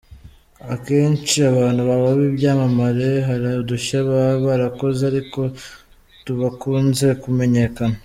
Akenshi abantu baba b’ibyamamare hari udushya baba barakoze ariko tudakunze kumenyekana.